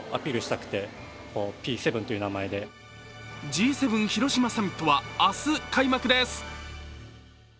Ｇ７広島サミットは明日開幕です。